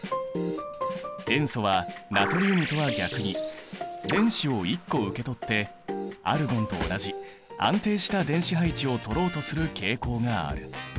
塩素はナトリウムとは逆に電子を１個受け取ってアルゴンと同じ安定した電子配置をとろうとする傾向がある。